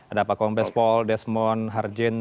ada pak kongpespol desmond harjen